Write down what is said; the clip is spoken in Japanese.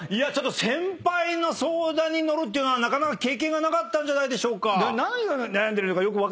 先輩の相談に乗るっていうのはなかなか経験がなかったんじゃないでしょうか。